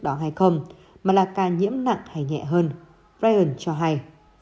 đó hay không mà là ca nhiễm nặng hay nhẹ hơn byan cho hay